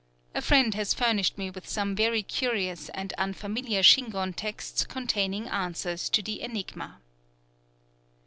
A friend has furnished me with some very curious and unfamiliar Shingon texts containing answers to the enigma.